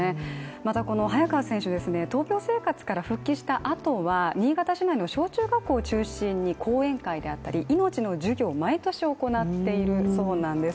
またこの早川選手、闘病生活から復帰したあとは新潟市内の小中学校を中心に講演会であったり命の授業を毎年行っているそうなんです。